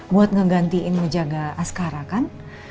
buat ngegantiin menjaga askara kan